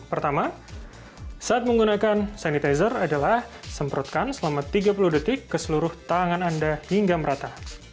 pertama saat menggunakan sanitizer adalah semprotkan selama tiga puluh detik ke seluruh tangan anda hingga merata